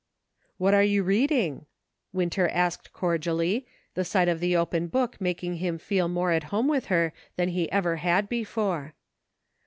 "What are you reading .■*" Winter asked cor dially, the sight of the open book making him feel more at home with her than he ever had before.